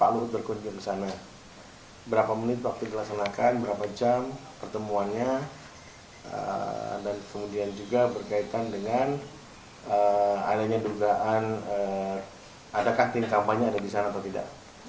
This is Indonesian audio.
luhut bin sarpanjaitan berkata